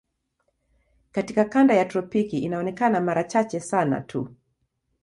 Katika kanda ya tropiki inaonekana mara chache sana tu.